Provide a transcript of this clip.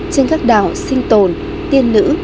trên các đảo sinh tồn tiên nữ